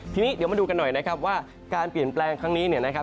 ทีนี้เดี๋ยวมาดูกันหน่อยนะครับว่าการเปลี่ยนแปลงครั้งนี้เนี่ยนะครับ